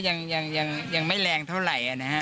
ยังไม่แรงเท่าไหร่นะฮะ